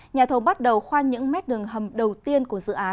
nhà thầu bắt đầu khoan những mét đường hầm đầu tiên của dự án